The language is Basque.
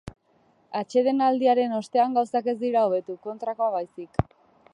Atsedenaldiaren ostean gauzak ez dira hobetu, kontrakoa baizik.